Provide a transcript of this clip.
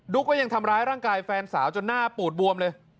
ก็ยังทำร้ายร่างกายแฟนสาวจนหน้าปูดบวมเลย